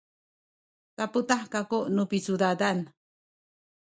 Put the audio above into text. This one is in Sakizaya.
taputah kaku nu picudadan